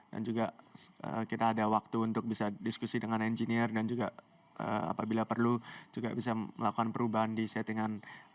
juga kita ada waktu untuk bisa diskusi dengan engineer dan juga apabila perlu juga bisa melakukan perubahan di settingan